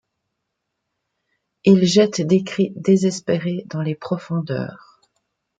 Il jette des cris désespérés dans les profondeurs.